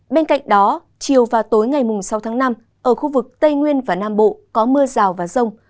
bên cạnh đó chiều và tối ngày sáu tháng năm ở khu vực tây nguyên và nam bộ có mưa rào và rông